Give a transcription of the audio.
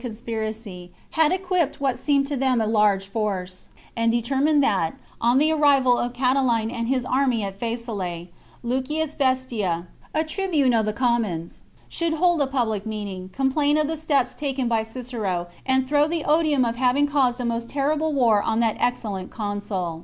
x?m *^^^^^ conspiracy, had equipped what seemed to them a large force, and determined that, on the arrival of Cati line and his army at Faesulae, Lucius Bestia, a tribune of the commons, should hold a public meeting, complain of the steps taken by Cicero, and throw the odium of having caused a most terrible war on that excellent consul.